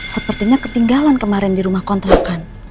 sepertinya ketinggalan kemarin di rumah kontrakan